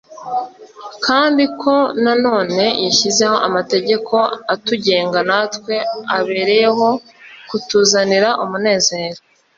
kandi ko na none yashyizeho amategeko atugenga natwe abereyeho kutuzanira umunezero.